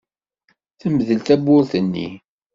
Temdel tewwurt-nni.